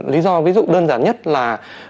lý do ví dụ đơn giản nhất là